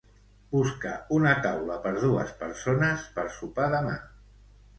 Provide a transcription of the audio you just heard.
Busca una taula per dues persones per sopar demà.